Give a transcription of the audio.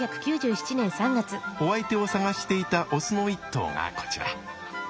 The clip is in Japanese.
お相手を探していたオスの一頭がこちら。